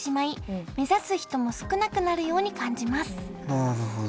なるほど。